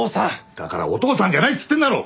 だからお父さんじゃないっつってんだろ！